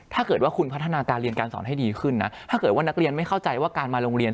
ถ้าเกิดว่าคุณพัฒนาการเรียนการสอนให้ดีขึ้นนะถ้าเกิดว่านักเรียนไม่เข้าใจว่าการมาโรงเรียน